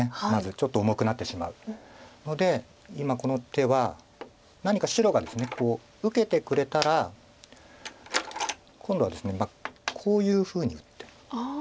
ちょっと重くなってしまうので今この手は何か白がですね受けてくれたら今度はですねこういうふうに打って。